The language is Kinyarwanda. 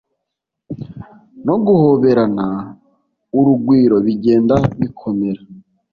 no guhoberana urugwiro bigenda bikomera